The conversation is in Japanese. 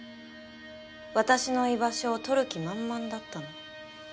私の居場所を取る気満々だったの。